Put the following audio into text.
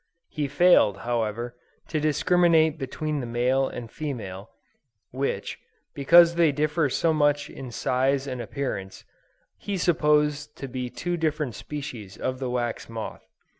He failed, however, to discriminate between the male and female, which, because they differ so much in size and appearance, he supposed to be two different species of the wax moth.